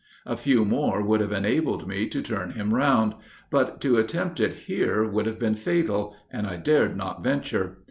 A few more would have enabled me to turn him round; but to attempt it here would have been fatal, and I dared not venture.